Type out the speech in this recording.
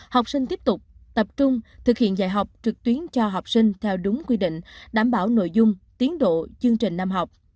học sinh tiếp tục tập trung thực hiện dạy học trực tuyến cho học sinh theo đúng quy định đảm bảo nội dung tiến độ chương trình năm học